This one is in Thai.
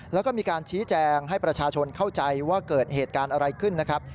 แล้วก็มีการชี้แจงให้ประชาชนเข้าใจว่าเกิดเหตุการณ์อะไรขึ้นนะครับ